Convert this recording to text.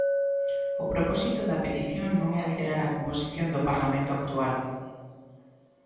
O propósito da petición non é alterar a composición do parlamento actual.